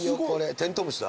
テントウムシだ。